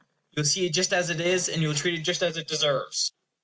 You will see it just as it is; and you will treat it just as it deserves.